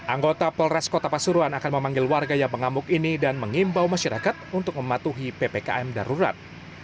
anggota polres kota pasuruan akan memanggil warga yang mengamuk ini dan mengimbau masyarakat untuk mematuhi ppkm darurat